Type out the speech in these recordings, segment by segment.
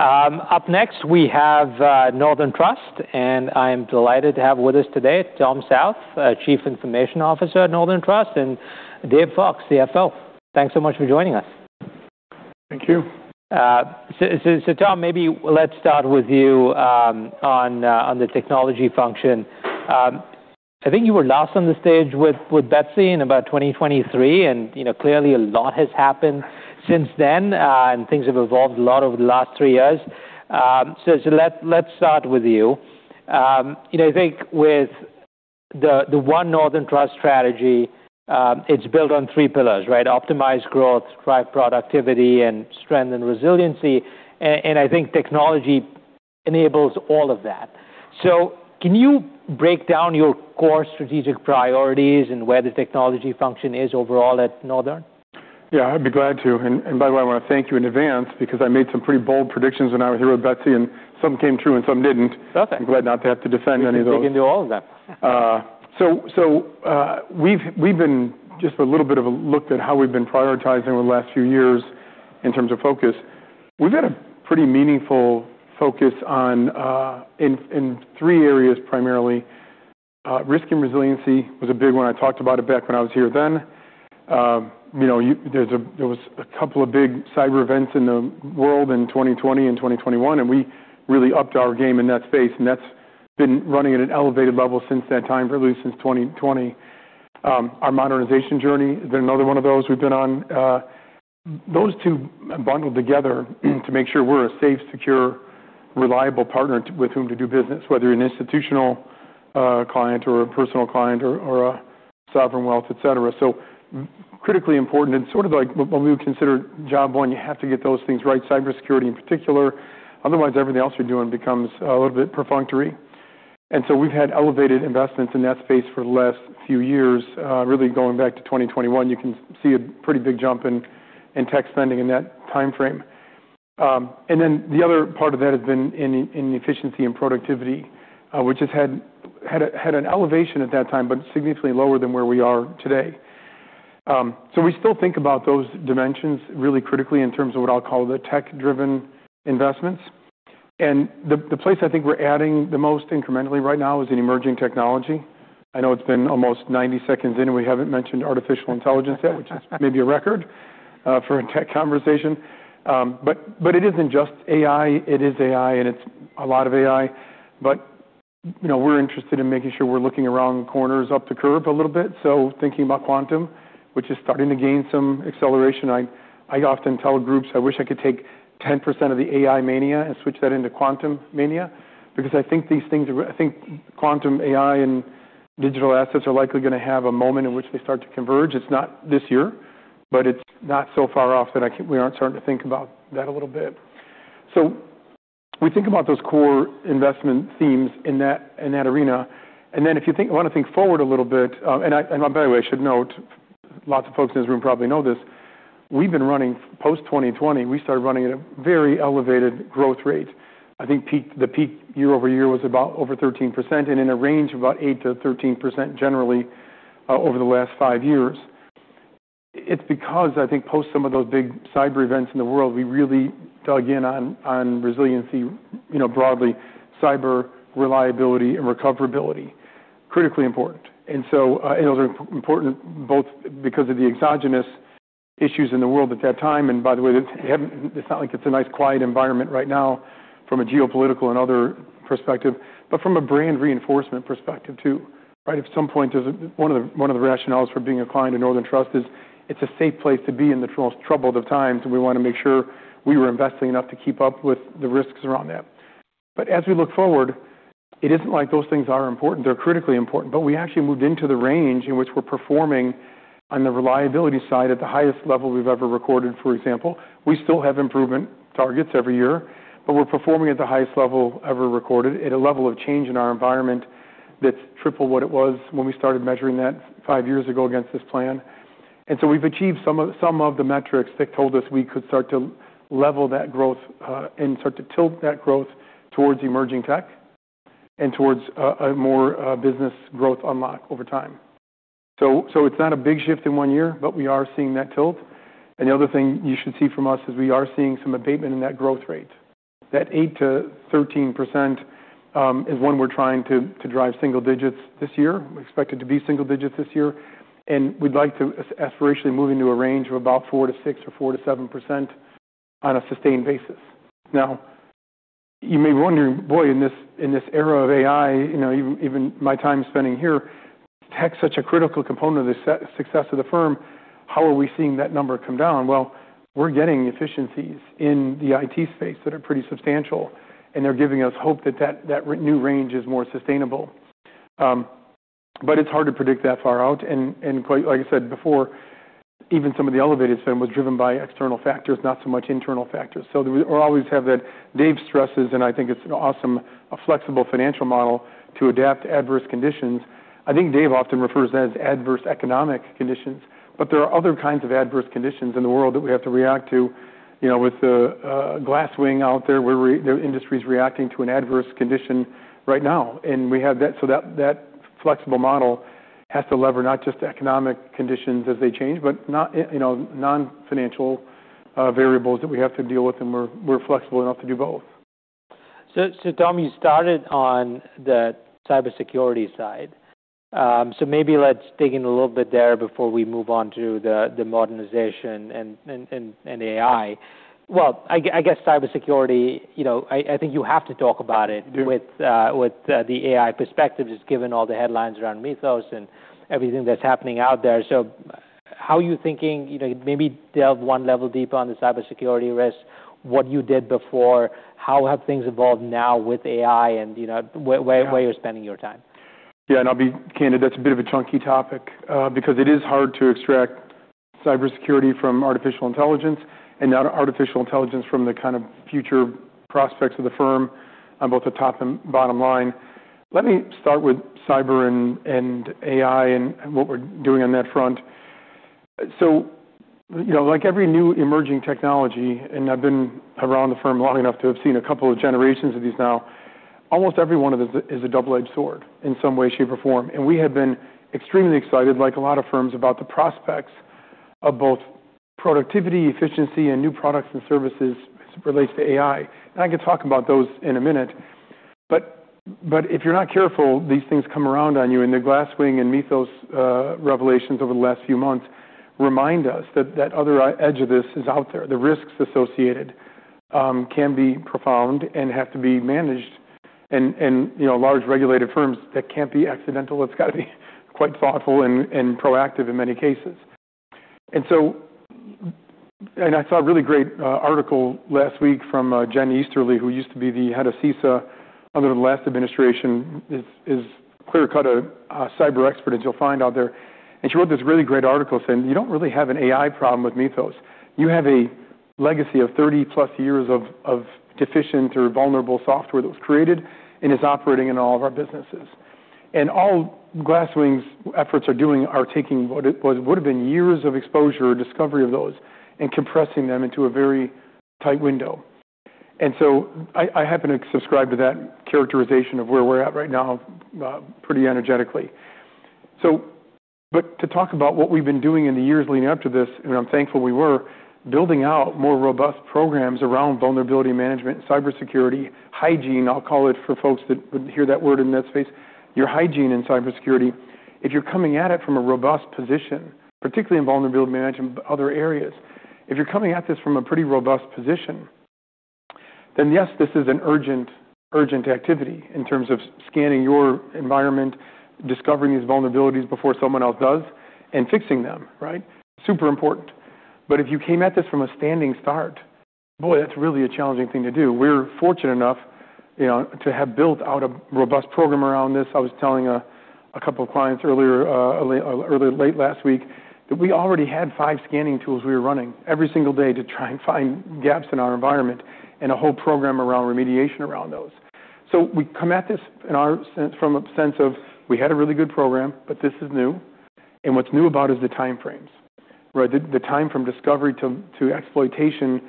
Up next, we have Northern Trust. I am delighted to have with us today Tom South, Chief Information Officer at Northern Trust, and Dave Fox, CFO. Thanks so much for joining us. Thank you. Tom, maybe let's start with you on the technology function. I think you were last on the stage with Betsy in about 2023. Clearly, a lot has happened since then. Things have evolved a lot over the last three years. Let's start with you. I think with the One Northern Trust strategy, it's built on three pillars, right? Optimize Growth, Drive Productivity, and Strengthen Resiliency. I think technology enables all of that. Can you break down your core strategic priorities and where the technology function is overall at Northern? Yeah, I'd be glad to. By the way, I want to thank you in advance because I made some pretty bold predictions when I was here with Betsy; some came true, and some didn't. Perfect. I'm glad not to have to defend any of those. You can do all of them. We've been just a little bit of a look at how we've been prioritizing over the last few years in terms of focus. We've had a pretty meaningful focus in three areas, primarily. Risk and resiliency were a big one. I talked about it back when I was here then. There was a couple of big cyber events in the world in 2020 and 2021, and we really upped our game in that space, and that's been running at an elevated level since that time, really since 2020. Our modernization journey has been another one of those we've been on. Those two bundled together to make sure we're a safe, secure, reliable partner with whom to do business, whether you're an institutional client, a personal client, or a sovereign wealth, et cetera. Critically important and sort of like what we would consider job one. You have to get those things right, cybersecurity in particular. Otherwise, everything else you're doing becomes a little bit perfunctory. We've had elevated investments in that space for the last few years. Really, going back to 2021, you can see a pretty big jump in tech spending in that timeframe. The other part of that has been in efficiency and productivity, which has had an elevation at that time, but significantly lower than where we are today. We still think about those dimensions really critically in terms of what I'll call the tech-driven investments. The place I think we're adding the most incrementally right now is in emerging technology. I know it's been almost 90 seconds in and we haven't mentioned artificial intelligence yet, which is maybe a record for a tech conversation. It isn't just AI. It is AI, and it's a lot of AI. We're interested in making sure we're looking around corners up the curve a little bit. Thinking about quantum, which is starting to gain some acceleration. I often tell groups I wish I could take 10% of the AI mania and switch that into quantum mania because I think quantum AI and digital assets are likely going to have a moment in which they start to converge. It's not this year, but it's not so far off that we aren't starting to think about that a little bit. We think about those core investment themes in that arena. If you want to think forward a little bit, by the way, I should note, lots of folks in this room probably know this. We've been running post-2020. We started running at a very elevated growth rate. I think the peak year-over-year was about over 13%, and in a range of about 8%-13% generally over the last five years. It's because I think posting some of those big cyber events in the world, we really dug in on resiliency broadly, cyber reliability, and recoverability, critically important. Those are important both because of the exogenous issues in the world at that time, and by the way, it's not like it's a nice, quiet environment right now from a geopolitical and other perspective, but from a brand reinforcement perspective too, right? At some point, one of the rationales for being a client of Northern Trust is it's a safe place to be in the most troubled of times, and we want to make sure we are investing enough to keep up with the risks around that. As we look forward, it isn't like those things are important. They're critically important. We actually moved into the range in which we're performing on the reliability side at the highest level we've ever recorded, for example. We still have improvement targets every year, but we're performing at the highest level ever recorded at a level of change in our environment that's triple what it was when we started measuring that five years ago, against this plan. We've achieved some of the metrics that told us we could start to level that growth and start to tilt that growth towards emerging tech and towards more business growth unlock over time. It's not a big shift in one year, but we are seeing that tilt. The other thing you should see from us is we are seeing some abatement in that growth rate. That 8%-13% is one we're trying to drive single digits this year. We expect it to be single digits this year, and we'd like to aspirationally move into a range of about 4%-6% or 4%-7% on a sustained basis. You may wonder, boy, in this era of AI, even my time spent here, tech is such a critical component of the success of the firm. How are we seeing that number come down? We're getting efficiencies in the IT space that are pretty substantial, and they're giving us hope that that new range is more sustainable. It's hard to predict that far out. Like I said before, even some of the elevated spending was driven by external factors, not so much internal factors. We always have that. Dave stresses, and I think it's awesome, a flexible financial model to adapt to adverse conditions. I think Dave often refers to that as adverse economic conditions, but there are other kinds of adverse conditions in the world that we have to react to. With the Glasswing out there, the industry's reacting to an adverse condition right now. That flexible model has to lever not just economic conditions as they change, but non-financial variables that we have to deal with, and we're flexible enough to do both. Tom, you started on the cybersecurity side. Maybe let's dig in a little bit there before we move on to the modernization and AI. Well, I guess cybersecurity, I think you have to talk about it. Sure. With the AI perspective, just given all the headlines around Mythos and everything that's happening out there. How are you thinking, maybe delve one level deeper on the cybersecurity risks, what you did before, how things have evolved now with AI, and where- Yeah. You're spending your time. I'll be candid, that's a bit of a chunky topic. It is hard to extract cybersecurity from artificial intelligence and artificial intelligence from the kind of future prospects of the firm on both the top and bottom line. Let me start with cyber and AI and what we're doing on that front. Like every new emerging technology, I've been around the firm long enough to have seen a couple of generations of these now, almost every one of them is a double-edged sword in some way, shape, or form. We have been extremely excited, like a lot of firms, about the prospects of both productivity, efficiency, and new products and services as it relates to AI. I can talk about those in a minute. If you're not careful, these things come around on you, and the Glasswing and Mythos revelations over the last few months remind us that the other edge of this is out there. The risks associated can be profound and have to be managed. Large regulated firms, that can't be accidental. It's got to be quite thoughtful and proactive in many cases. I saw a really great article last week from Jen Easterly, who used to be the head of CISA under the last administration. She is clear-cut a cyber expert as you'll find out there. She wrote this really great article saying, "You don't really have an AI problem with Mythos. You have a legacy of 30+ years of deficient or vulnerable software that was created and is operating in all of our businesses." All Glasswing's efforts are doing are taking what would've been years of exposure or discovery of those and compressing them into a very tight window. I happen to subscribe to that characterization of where we're at right now pretty energetically. To talk about what we've been doing in the years leading up to this, I'm thankful we were building out more robust programs around vulnerability management, cybersecurity, hygiene, I'll call it for folks that would hear that word in that space. Your hygiene in cybersecurity. If you're coming at it from a robust position, particularly in vulnerability management, but other areas, if you're coming at this from a pretty robust position, yes, this is an urgent activity in terms of scanning your environment, discovering these vulnerabilities before someone else does, and fixing them, right? Super important. If you came at this from a standing start, boy, that's really a challenging thing to do. We're fortunate enough to have built out a robust program around this. I was telling a couple of clients late last week that we already had five scanning tools we were running every single day to try and find gaps in our environment, and a whole program around remediation around those. We come at this from a sense of we had a really good program, but this is new. What's new about it is the time frames, right? The time from discovery to exploitation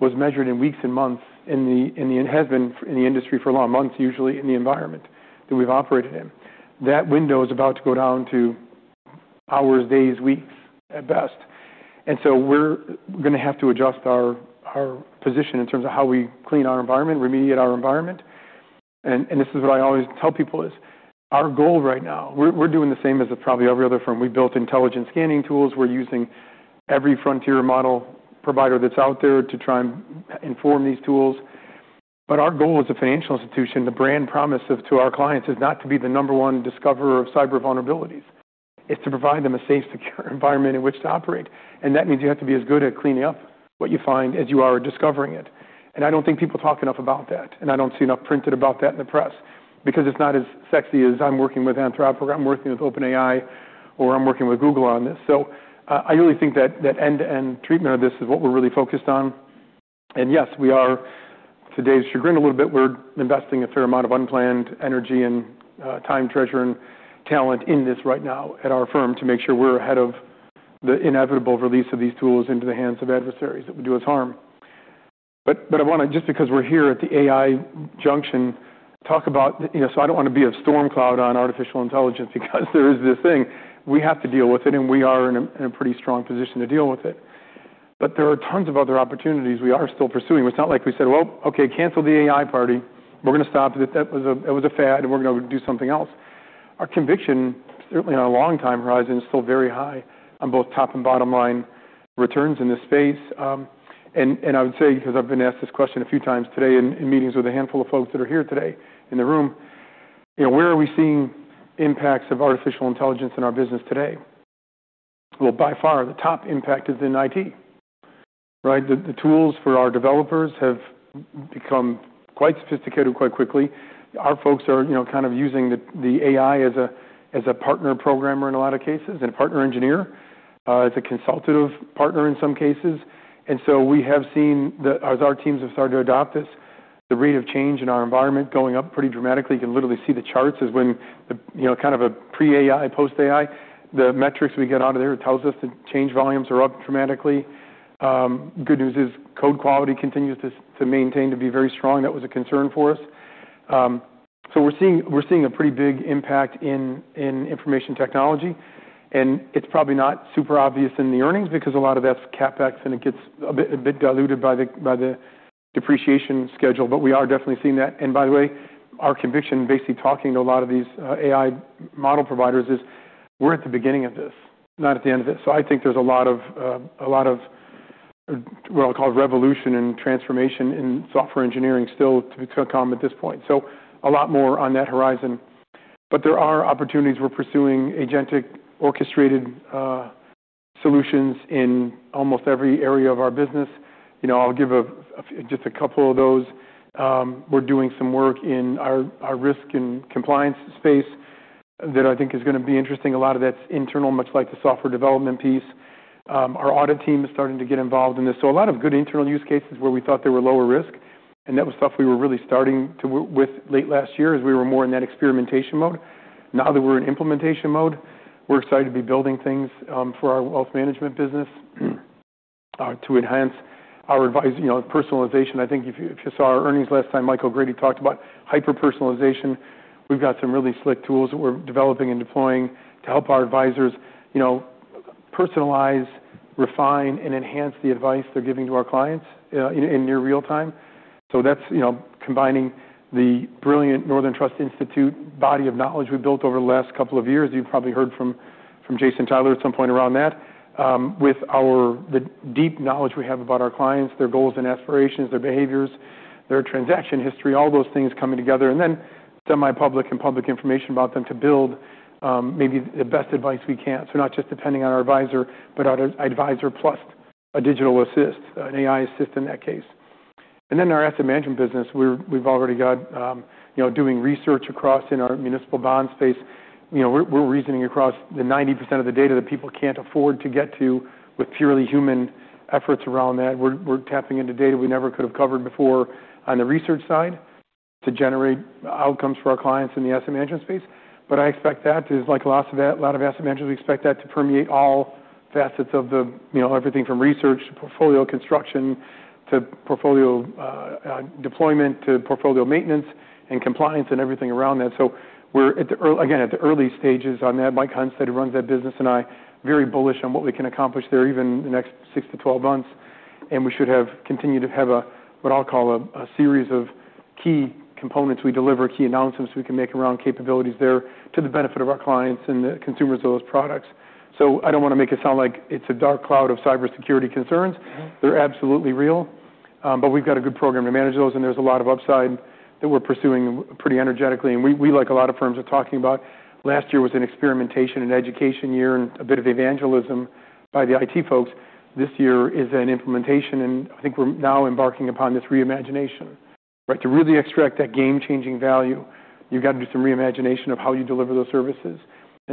was measured in weeks and months, and has been in the industry for a long, months usually in the environment that we've operated in. That window is about to go down to hours, days, weeks at best. We're going to have to adjust our position in terms of how we clean our environment, remediate our environment. This is what I always tell people is our goal right now. We're doing the same as probably every other firm. We built intelligent scanning tools. We're using every frontier model provider that's out there to try and inform these tools. But our goal as a financial institution, the brand promise to our clients, is not to be the number one discoverer of cyber vulnerabilities. It's to provide them a safe, secure environment in which to operate. That means you have to be as good at cleaning up what you find as you are at discovering it. I don't think people talk enough about that, and I don't see enough printed about that in the press. Because it's not as sexy as I'm working with Anthropic, or I'm working with OpenAI, or I'm working with Google on this. I really think that end-to-end treatment of this is what we're really focused on. Yes, we are, to Dave's chagrin, a little bit. We're investing a fair amount of unplanned energy and time, treasure, and talent in this right now at our firm to make sure we're ahead of the inevitable release of these tools into the hands of adversaries that would do us harm. I want to, just because we're here at the AI junction, talk about. I don't want to be a storm cloud on artificial intelligence because there is this thing. We have to deal with it, and we are in a pretty strong position to deal with it. There are tons of other opportunities we are still pursuing. It's not like we said, "Well, okay, cancel the AI party. We're going to stop. It was a fad, and we're going to do something else." Our conviction, certainly on a long time horizon, is still very high on both top and bottom-line returns in this space. I would say, because I've been asked this question a few times today in meetings with a handful of folks that are here today in the room, where are we seeing impacts of artificial intelligence in our business today? Well, by far the top impact is in IT, right? The tools for our developers have become quite sophisticated quite quickly. Our folks are kind of using the AI as a partner programmer in a lot of cases, and a partner engineer. As a consultative partner in some cases. We have seen, as our teams have started to adopt this, the rate of change in our environment is going up pretty dramatically. You can literally see the charts as when kind of a pre-AI, post-AI. The metrics we get out of there tell us that change volumes are up dramatically. Good news is code quality continues to maintain to be very strong. That was a concern for us. We're seeing a pretty big impact in information technology, and it's probably not super obvious in the earnings because a lot of that's CapEx, and it gets a bit diluted by the depreciation schedule. We are definitely seeing that. By the way, our conviction, basically talking to a lot of these AI model providers, is we're at the beginning of this, not at the end of it. I think there's a lot of what I'll call revolution and transformation in software engineering still to come at this point. A lot more on that horizon. There are opportunities. We're pursuing agentic orchestrated solutions in almost every area of our business. I'll give just a couple of those. We're doing some work in our risk and compliance space that I think is going to be interesting. A lot of that's internal, much like the software development piece. Our audit team is starting to get involved in this. A lot of good internal use cases where we thought there were lower risk, and that was stuff we were really starting to work with late last year, as we were more in that experimentation mode. Now that we're in implementation mode, we're excited to be building things for our wealth management business to enhance our personalization. I think if you saw our earnings last time, Michael Grady talked about hyper-personalization. We've got some really slick tools that we're developing and deploying to help our advisors personalize, refine, and enhance the advice they're giving to our clients in near real time. That's combining the brilliant The Northern Trust Institute body of knowledge we've built over the last couple of years. You've probably heard from Jason Tyler at some point around that. With the deep knowledge we have about our clients, their goals and aspirations, their behaviors, their transaction history, all those things coming together, then semi-public and public information about them to build maybe the best advice we can. Not just depending on our advisor, but our advisor plus a digital assist, an AI assist in that case. Then, in our asset management business, we've already got doing research across in our municipal bond space. We're reasoning across the 90% of the data that people can't afford to get to with purely human efforts around that. We're tapping into data we never could have covered before on the research side to generate outcomes for our clients in the asset management space. I expect that it is like a lot of asset managers expect that to permeate all facets of everything from research to portfolio construction to portfolio deployment to portfolio maintenance and compliance, and everything around that. We're again at the early stages on that. Mike Hunstad, who runs that business, and I are very bullish on what we can accomplish there, even in the next 6-12 months. We should continue to have what I'll call a series of key components we deliver, key announcements we can make around capabilities there to the benefit of our clients and the consumers of those products. I don't want to make it sound like it's a dark cloud of cybersecurity concerns. They're absolutely real, but we've got a good program to manage those, and there's a lot of upside that we're pursuing pretty energetically. We, like a lot of firms, are talking about last year was an experimentation and education year and a bit of evangelism by the IT folks. This year is an implementation, and I think we're now embarking upon this re-imagination, right? To really extract that game-changing value, you've got to do some re-imagination of how you deliver those services.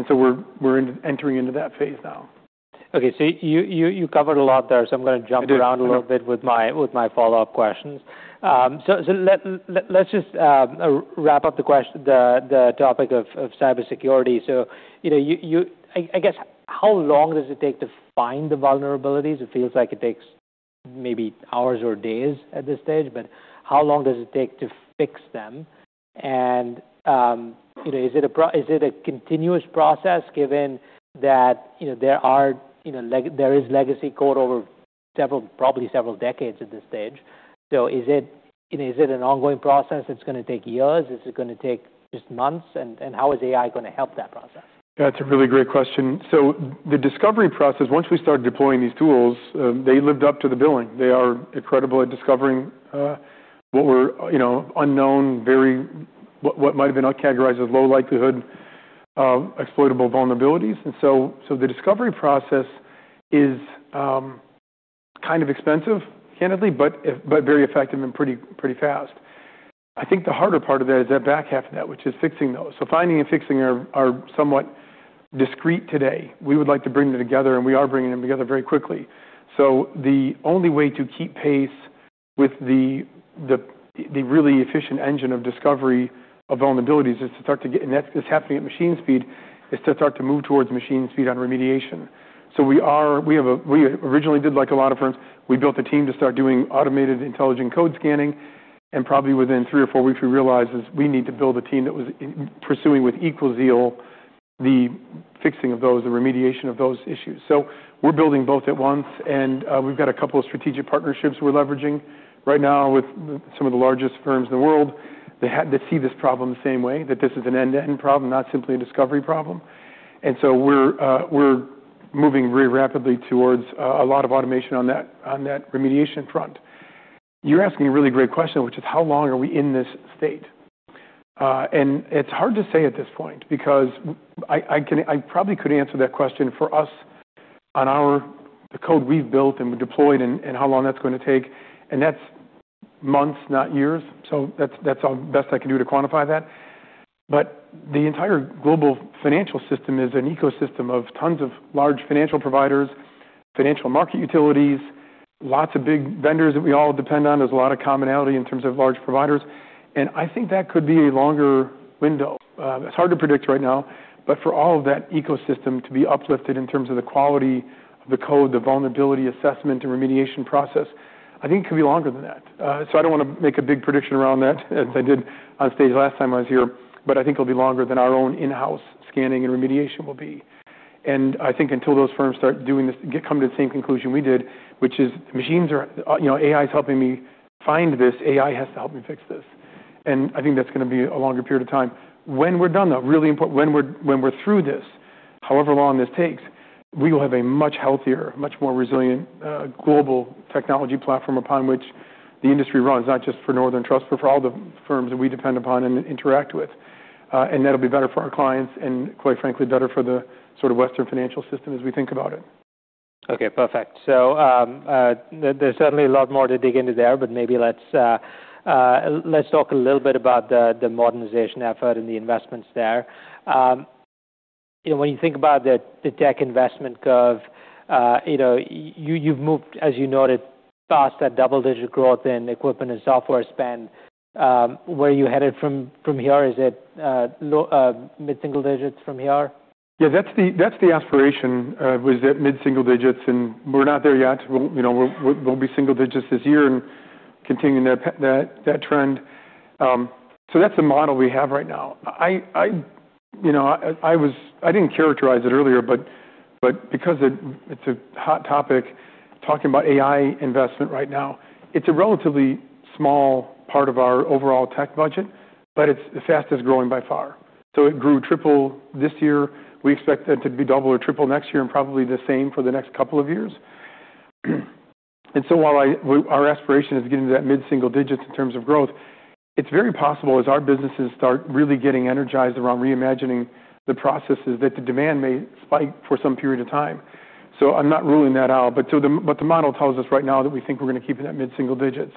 We're entering into that phase now. Okay. You covered a lot there, so I'm going to- I did. Around a little bit with my follow-up questions. Let's just wrap up the topic of cybersecurity. I guess, how long does it take to find the vulnerabilities? It feels like it takes maybe hours or days at this stage, but how long does it take to fix them? Is it a continuous process, given that there is legacy code over probably several decades at this stage? Is it an ongoing process that's going to take years? Is it going to take just months? How is AI going to help that process? That's a really great question. The discovery process, once we started deploying these tools, they lived up to the billing. They are incredible at discovering what were unknown, what might've been categorized as low likelihood exploitable vulnerabilities. The discovery process is kind of expensive, candidly, but very effective and pretty fast. I think the harder part of that is that back half of that, which is fixing those. Finding and fixing are somewhat discrete today. We would like to bring them together, and we are bringing them together very quickly. The only way to keep pace with the really efficient engine of discovery of vulnerabilities is to start to get, and that's happening at machine speed, is to start to move towards machine speed on remediation. We originally did like a lot of firms. We built a team to start doing automated intelligent code scanning, and probably within three or four weeks, we realized we needed to build a team that was pursuing with equal zeal the fixing of those, the remediation of those issues. We're building both at once, and we've got a couple of strategic partnerships we're leveraging right now with some of the largest firms in the world. They had to see this problem the same way, that this is an end-to-end problem, not simply a discovery problem. We're moving very rapidly towards a lot of automation on that remediation front. You're asking a really great question, which is how long are we in this state? It's hard to say at this point because I probably could answer that question for us on the code we've built and deployed, and how long that's going to take. That's months, not years. That's the best I can do to quantify that. The entire global financial system is an ecosystem of tons of large financial providers, financial market utilities, lots of big vendors that we all depend on. There's a lot of commonality in terms of large providers, and I think that could be a longer window. It's hard to predict right now, but for all of that ecosystem to be uplifted in terms of the quality of the code, the vulnerability assessment and remediation process. I think it could be longer than that. I don't want to make a big prediction around that as I did on stage last time I was here, but I think it'll be longer than our own in-house scanning and remediation will be. I think until those firms start coming to the same conclusion we did, which is AI helps me find this, AI has to help me fix this. I think that's going to be a longer period of time. When we're done, though, really important, when we're through this, however long this takes, we will have a much healthier, much more resilient global technology platform upon which the industry runs, not just for Northern Trust, but for all the firms that we depend upon and interact with. That'll be better for our clients and, quite frankly, better for the sort of Western financial system as we think about it. Okay, perfect. There's certainly a lot more to dig into there, but maybe let's talk a little bit about the modernization effort and the investments there. When you think about the tech investment curve, you've moved, as you noted, past that double-digit growth in equipment and software spend. Where are you headed from here? Is it mid-single digits from here? That's the aspiration was that mid-single-digits, but we're not there yet. We'll be single digits this year and continuing that trend. That's the model we have right now. I didn't characterize it earlier, but because it's a hot topic, talking about AI investment right now, it's a relatively small part of our overall tech budget, but it's the fastest-growing by far. It grew triple this year. We expect that to be double or triple next year and probably the same for the next couple of years. While our aspiration is getting to that mid-single-digits in terms of growth, it's very possible as our businesses start really getting energized around reimagining the processes that the demand may spike for some period of time. I'm not ruling that out. The model tells us right now that we think we're going to keep it at mid-single-digits.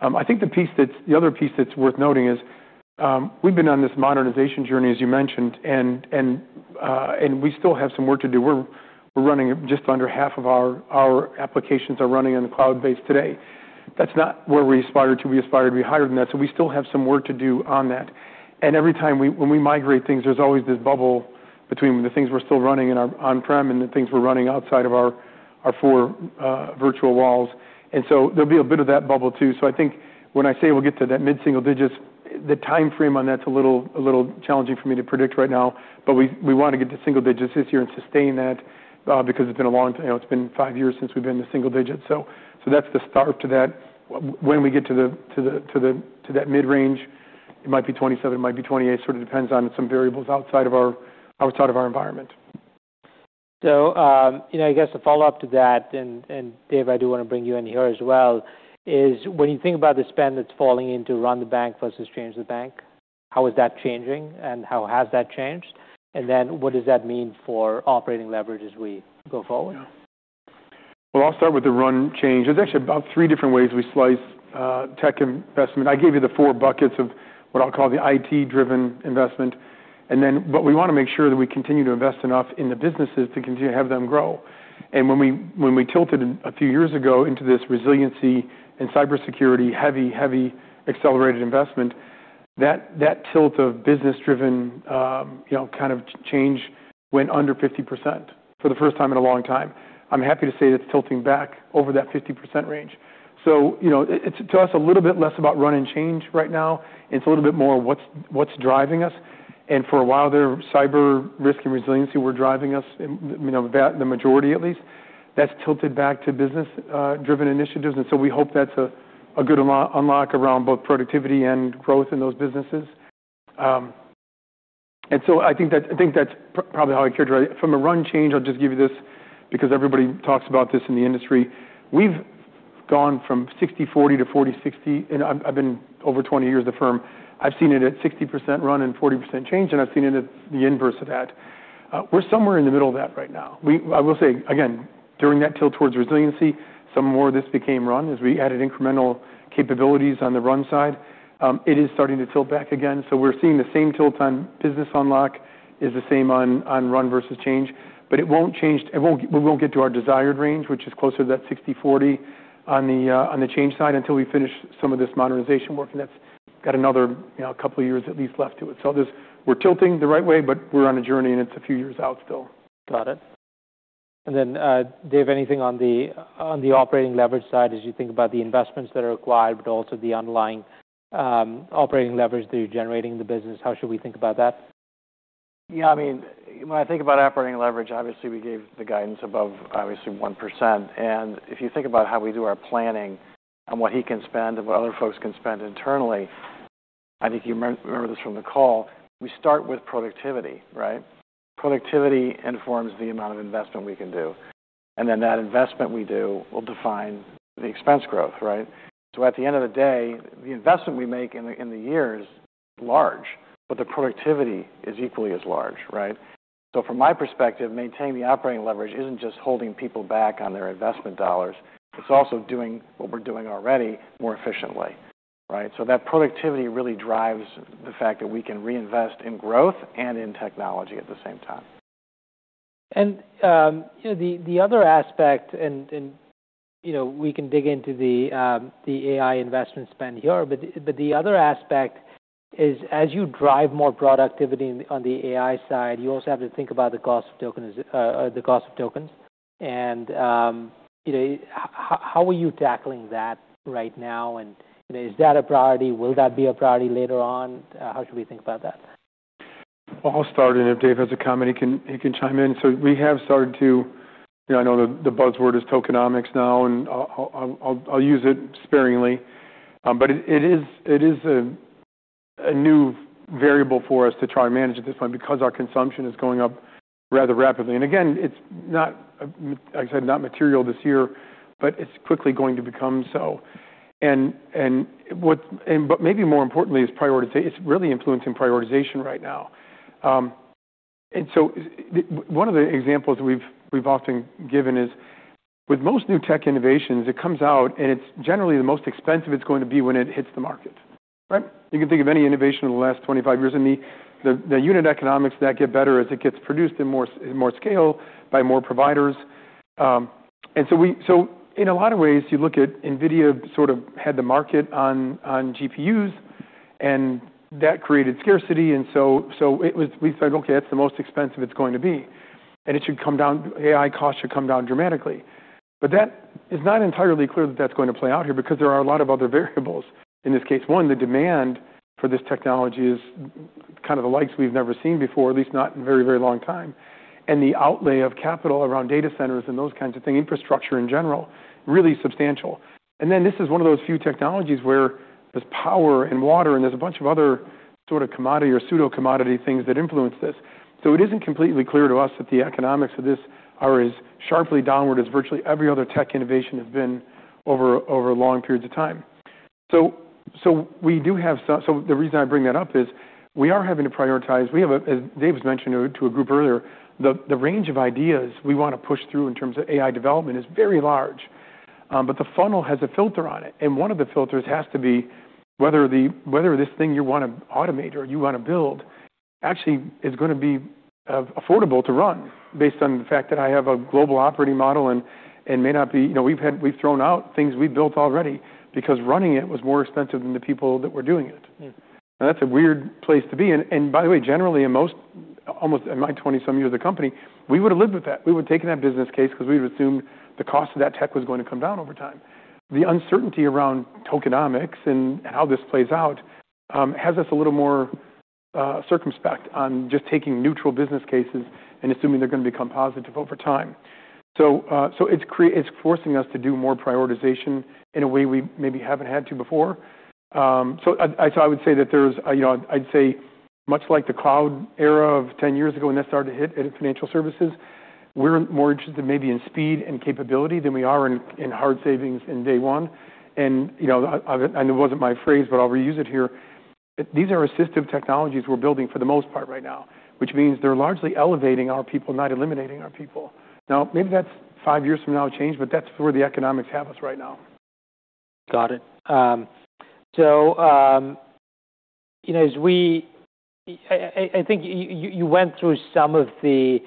I think the other piece that's worth noting is we've been on this modernization journey, as you mentioned, we still have some work to do. Just under half of our applications are running on the cloud-based today. That's not where we aspire to be. We aspire to be higher than that. We still have some work to do on that. Every time when we migrate things, there's always this bubble between the things we're still running in our on-prem and the things we're running outside of our four virtual walls. There'll be a bit of that bubble, too. I think when I say we'll get to that mid-single digits, the time frame on that's a little challenging for me to predict right now. We want to get to single digits this year and sustain that because it's been five years since we've been to single digits. That's the start to that. When we get to that mid-range, it might be 2027, it might be 2028, it sort of depends on some variables outside of our environment. I guess a follow-up to that, Dave, I do want to bring you in here as well, is when you think about the spend that's falling into run the bank versus change the bank, how is that changing, and how has that changed? What does that mean for operating leverage as we go forward? Well, I'll start with the run change. There's actually about three different ways we slice tech investment. I gave you the four buckets of what I'll call the IT-driven investment. We want to make sure that we continue to invest enough in the businesses to continue to have them grow. When we tilted a few years ago into this resiliency and cybersecurity-heavy accelerated investment, that tilt of business-driven kind of change went under 50% for the first time in a long time. I'm happy to say that's tilting back over that 50% range. To us, a little bit less about running and changing right now. It's a little bit more of what's driving us. For a while there, cyber risk and resiliency were driving us, the majority at least. That's tilted back to business-driven initiatives. We hope that's a good unlock around both productivity and growth in those businesses. I think that's probably how I characterize it. From a run change, I'll just give you this because everybody talks about this in the industry. We've gone from 60/40 to 40/60. In over 20 years at the firm, I've seen it at 60% run and 40% change, and I've seen it at the inverse of that. We're somewhere in the middle of that right now. I will say, again, during that tilt towards resiliency, some more of this became run as we added incremental capabilities on the run side. It is starting to tilt back again. We're seeing the same tilt on business unlock is the same on run versus change. We won't get to our desired range, which is closer to that 60/40 on the change side, until we finish some of this modernization work. That's got another couple of years at least left to it. We're tilting the right way, but we're on a journey, and it's a few years out still. Got it. Dave, anything on the operating leverage side as you think about the investments that are required, but also the underlying operating leverage that you're generating in the business? How should we think about that? Yeah. When I think about operating leverage, obviously, we gave the guidance above 1%. If you think about how we do our planning on what he can spend and what other folks can spend internally, I think you remember this from the call: we start with productivity, right? Productivity informs the amount of investment we can do. That investment we do will define the expense growth, right? At the end of the day, the investment we make in the year is large, but the productivity is equally as large, right? From my perspective, maintaining the operating leverage isn't just holding people back on their investment dollars. It's also doing what we're doing already more efficiently, right? That productivity really drives the fact that we can reinvest in growth and in technology at the same time. The other aspect, and we can dig into the AI investment spend here, the other aspect is as you drive more productivity on the AI side, you also have to think about the cost of tokens. How are you tackling that right now? Is that a priority? Will that be a priority later on? How should we think about that? Well, I'll start, and if Dave has a comment, he can chime in. We have started to. I know the buzzword is tokenomics now, and I'll use it sparingly. It is a new variable for us to try and manage at this point because our consumption is going up rather rapidly. Again, it's not material this year, but it's quickly going to become so. Maybe more importantly, it's really influencing prioritization right now. One of the examples we've often given is with most new tech innovations, it comes out, and it's generally the most expensive it's going to be when it hits the market, right? You can think of any innovation in the last 25 years, and the unit economics that get better as it gets produced in more scale by more providers. In a lot of ways, you look at NVIDIA sort of had the market on GPUs, that created scarcity. We said, "Okay, that's the most expensive it's going to be, and AI cost should come down dramatically." That is not entirely clear that that's going to play out here because there are a lot of other variables. In this case, one, the demand for this technology is kind of the likes we've never seen before, at least not in a very long time, and the outlay of capital around data centers and those kinds of things, infrastructure in general, is really substantial. Then this is one of those few technologies where there's power and water, and there's a bunch of other sorts of commodity or pseudo-commodity things that influence this. It isn't completely clear to us that the economics of this are as sharply downward as virtually every other tech innovation has been over long periods of time. The reason I bring that up is we are having to prioritize. As Dave mentioned to a group earlier, the range of ideas we want to push through in terms of AI development is very large. The funnel has a filter on it, and one of the filters has to be whether this thing you want to automate, or you want to build, actually is going to be affordable to run, based on the fact that I have a global operating model and may not be. We've thrown out things we've built already because running it was more expensive than the people that were doing it. Yeah. That's a weird place to be. By the way, generally, in my 20-some years at the company, we would've lived with that. We would've taken that business case because we assumed the cost of that tech was going to come down over time. The uncertainty around tokenomics and how this plays out has us a little more circumspect on just taking neutral business cases and assuming they're going to become positive over time. It's forcing us to do more prioritization in a way we maybe haven't had to before. I'd say much like the cloud era of 10 years ago, when that started to hit financial services, we're more interested maybe in speed and capability than we are in hard savings in day one. It wasn't my phrase, but I'll reuse it here. These are assistive technologies we're building for the most part right now, which means they're largely elevating our people, not eliminating our people. Maybe that's five years from now change, but that's where the economics have us right now. Got it. I think you went through some of the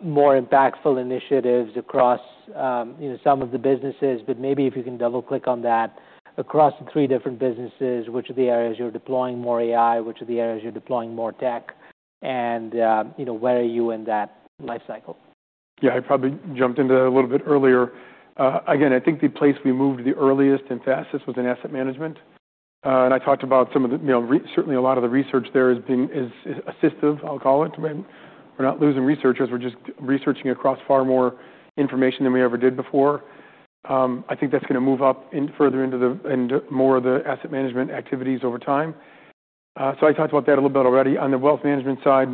more impactful initiatives across some of the businesses, but maybe if you can double-click on that across the three different businesses, which of the areas you're deploying more AI, which of the areas you're deploying more tech, and where are you in that life cycle? Yeah, I probably jumped into that a little bit earlier. Again, I think the place we moved the earliest and fastest was in asset management. I talked about certainly a lot of the research there has been, is assistive, I'll call it. We're not losing researchers. We're just researching across far more information than we ever did before. I think that's going to move up further into more of the asset management activities over time. I talked about that a little bit already. On the wealth management side,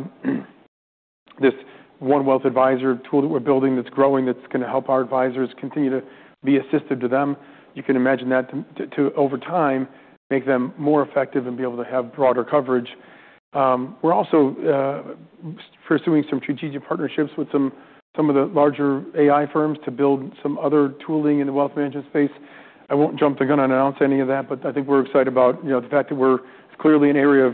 this one wealth advisor tool that we're building that's growing, that's going to help our advisors continue to be assistive to them. You can imagine that to, over time, to make them more effective and be able to have broader coverage. We're also pursuing some strategic partnerships with some of the larger AI firms to build some other tooling in the wealth management space. I won't jump the gun and announce any of that, but I think we're excited about the fact that it's clearly an area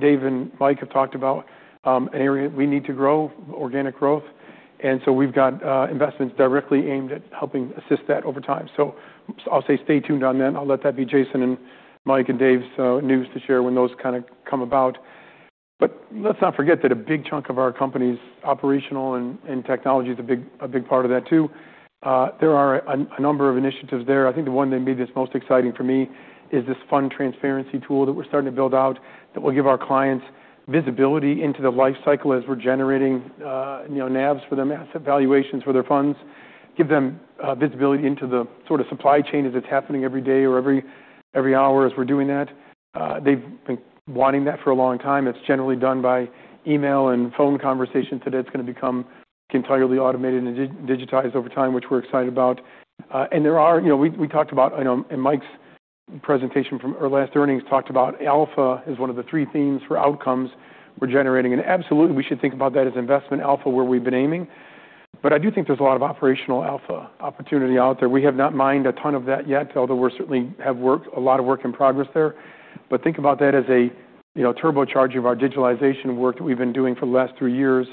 Dave and Mike have talked about, an area we need to grow, organic growth. We've got investments directly aimed at helping assist that over time. I'll say stay tuned on that, and I'll let that be Jason and Mike and Dave's news to share when those kinds of come about. Let's not forget that a big chunk of our company's operational and technology is a big part of that too. There are a number of initiatives there. I think the one that maybe is most exciting for me is this fund transparency tool that we're starting to build out that will give our clients visibility into the life cycle as we're generating NAVs for them, asset valuations for their funds, give them visibility into the sort of supply chain as it's happening every day or every hour as we're doing that. They've been wanting that for a long time. It's generally done by email and phone conversations. Today, it's going to become entirely automated and digitized over time, which we're excited about. In Mike's presentation from our last earnings talked about alpha as one of the three themes for outcomes we're generating. Absolutely, we should think about that as investment alpha, where we've been aiming. I do think there's a lot of operational alpha opportunity out there. We have not mined a ton of that yet, although we certainly have a lot of work in progress there. Think about that as a turbocharge of the digitalization work that we've been doing for the last three or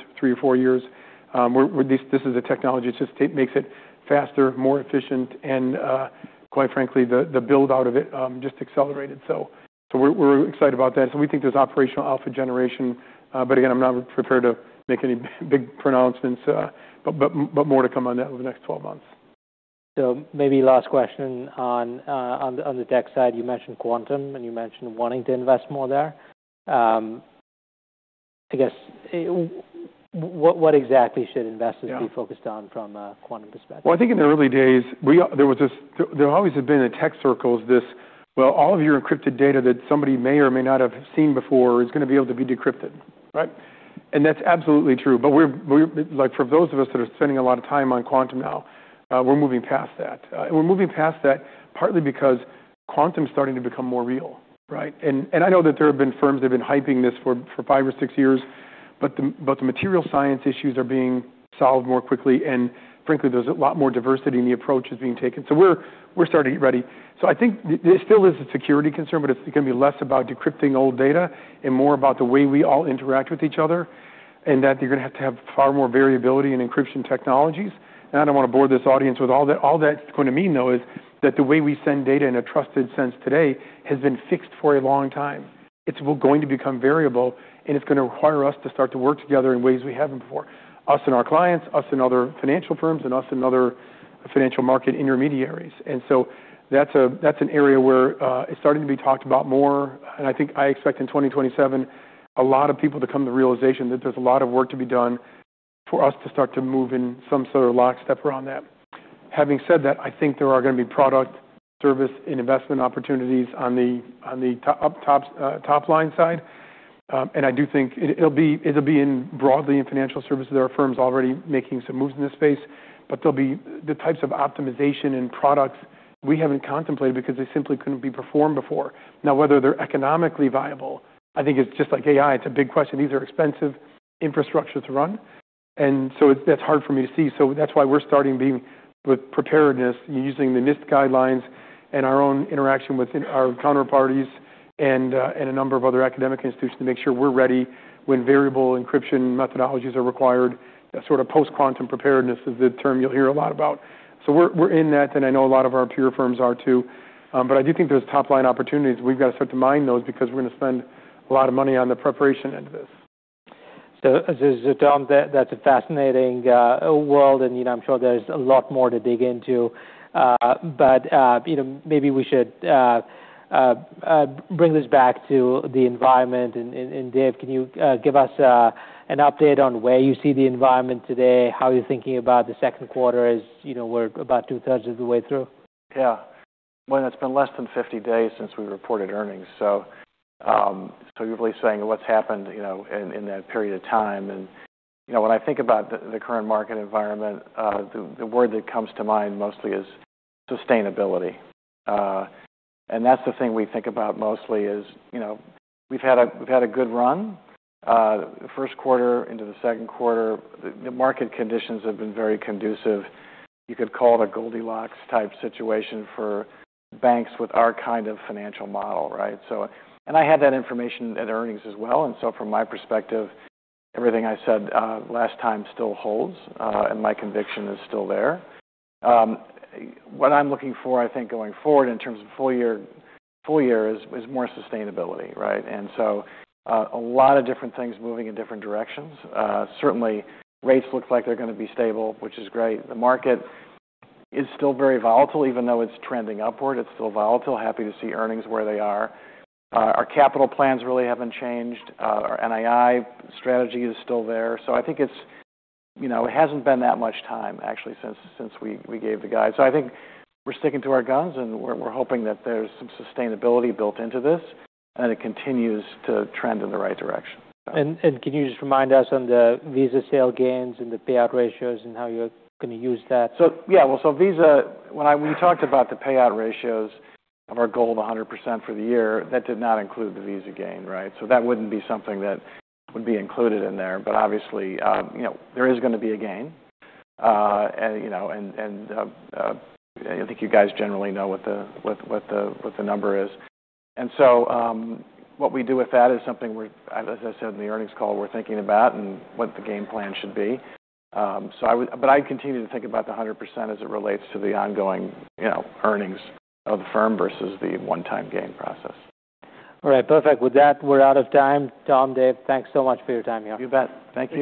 four years, where this is a technology that just makes it faster, more efficient, and, quite frankly, the build-out of it just accelerated. We're excited about that. We think there's operational alpha generation. Again, I'm not prepared to make any big pronouncements, but more to come on that over the next 12 months. Maybe last question on the tech side. You mentioned quantum, and you mentioned wanting to invest more there. What exactly should investors be focused on from a quantum perspective? I think in the early days, there always have been in tech circles this, all of your encrypted data that somebody may or may not have seen before is going to be able to be decrypted, right? That's absolutely true. For those of us that are spending a lot of time on quantum now, we're moving past that. We're moving past that partly because quantum's starting to become more real, right? I know that there have been firms that have been hyping this for five or six years, but the material science issues are being solved more quickly. Frankly, there's a lot more diversity in the approaches being taken. We're starting to get ready. I think there still is a security concern, but it's going to be less about decrypting old data and more about the way we all interact with each other, and that you're going to have to have far more variability in encryption technologies. I don't want to bore this audience with all that. All that's going to mean, though, is that the way we send data in a trusted sense today has been fixed for a long time. It's going to become variable, and it's going to require us to start to work together in ways we haven't before. Us and our clients, us and other financial firms, and us and other financial market intermediaries. That's an area where it's starting to be talked about more. I think I expect in 2027, a lot of people to come to the realization that there's a lot of work to be done for us to start to move in some sort of lockstep around that. Having said that, I think there are going to be product, service, and investment opportunities on the top-line side. I do think it'll be broadly in financial services. There are firms already making some moves in this space, but there will be the types of optimization and products we haven't contemplated because they simply couldn't be performed before. Now, whether they're economically viable, I think it's just like AI. It's a big question. These are expensive infrastructures to run, and so that's hard for me to see. That's why we're starting being with preparedness using the NIST guidelines and our own interaction with our counterparties and a number of other academic institutions to make sure we're ready when variable encryption methodologies are required. Sort of post-quantum preparedness is the term you'll hear a lot about. We're in that, and I know a lot of our peer firms are too. I do think there's top-line opportunities. We've got to start to mine those because we're going to spend a lot of money on the preparation end of this. Tom, that's a fascinating world, and I'm sure there's a lot more to dig into. Maybe we should bring this back to the environment. Dave, can you give us an update on where you see the environment today, how you're thinking about the second quarter as we're about two-thirds of the way through? Yeah. Well, it's been less than 50 days since we reported earnings. You're really saying what's happened in that period of time. When I think about the current market environment, the word that comes to mind mostly is sustainability. That's the thing we think about mostly is we've had a good run. The first quarter into the second quarter, the market conditions have been very conducive. You could call it a Goldilocks-type situation for banks with our kind of financial model, right? I had that information at earnings as well, and so from my perspective, everything I said last time still holds, and my conviction is still there. What I'm looking for, I think, going forward in terms of full year is more sustainability, right? A lot of different things are moving in different directions. Certainly, rates look like they're going to be stable, which is great. The market is still very volatile. Even though it's trending upward, it's still volatile. Happy to see earnings where they are. Our capital plans really haven't changed. Our NII strategy is still there. I think it hasn't been that much time actually, since we gave the guide. I think we're sticking to our guns, and we're hoping that there's some sustainability built into this, and it continues to trend in the right direction. Can you just remind us on the Visa sale gains and the payout ratios and how you're going to use that? Visa, when we talked about the payout ratios of our goal of 100% for the year, that did not include the Visa gain, right? That wouldn't be something that would be included in there. Obviously, there is going to be a gain. I think you guys generally know what the number is. What we do with that is something we're, as I said in the earnings call, we're thinking about and what the game plan should be. I continue to think about the 100% as it relates to the ongoing earnings of the firm versus the one-time gain process. All right. Perfect. With that, we're out of time. Tom, Dave, thanks so much for your time here. You bet. Thank you.